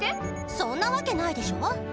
そんなわけないでしょハハァ！